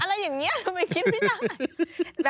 อะไรอย่างนี้ทำไมคิดไม่ได้